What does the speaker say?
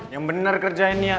yang benar kerjainnya